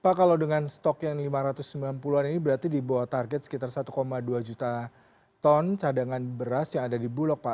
pak kalau dengan stok yang lima ratus sembilan puluh an ini berarti di bawah target sekitar satu dua juta ton cadangan beras yang ada di bulog pak